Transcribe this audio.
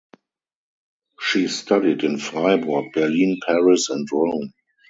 She studied in Freiburg, Berlin, Paris and Rome.